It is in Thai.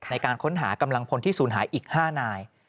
ในการค้นหากำลังพลที่ศูนย์หายอีก๕นาย